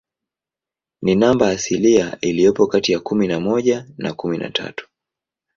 Ni namba asilia iliyopo kati ya kumi na moja na kumi na tatu.